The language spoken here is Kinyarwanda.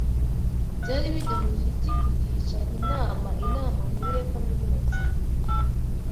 Byari bigamije iki kugisha inama Inama Nkuru ya Kaminuza